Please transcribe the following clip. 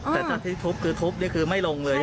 แต่ตอนที่ทุบทุบนี่คือไม่ลงเลยใช่ไหม